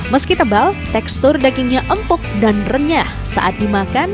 meski tebal tekstur dagingnya empuk dan renyah saat dimakan